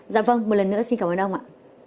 dạ vâng một lần nữa xin cảm ơn ông ạ